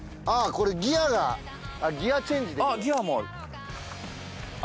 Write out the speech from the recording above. これギアがギアチェンジできるわギアもあるあ